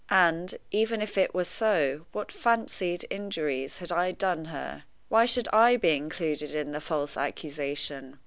And, even if it were so, what fancied injuries had I done her? Why should I be included in the false accusation?